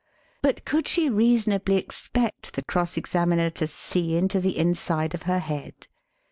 But could she reasonably ex pect the cross examiner to see into the inside pf her head?